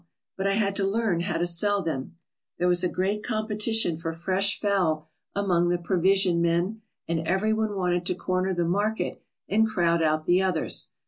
But I had to learn how to sell them. 167 ALASKA OUR NORTHERN WONDERLAND There was a great competition for fresh fowl among the provision men and everyone wanted to corner the market and crowd out the others.